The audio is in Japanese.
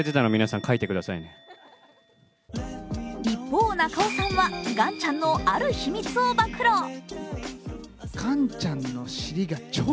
一方、中尾さんは岩ちゃんの、ある秘密を暴露。